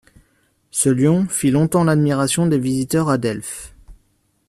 Ce lion fit longtemps l'admiration des visiteurs à Delphes.